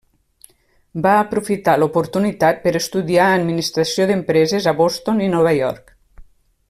Va aprofitar l'oportunitat per estudiar Administració d'Empreses a Boston i Nova York.